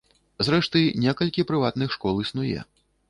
Зрэшты, некалькі прыватных школ існуе.